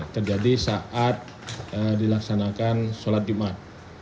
terjadi saat dilaksanakan sholat jumat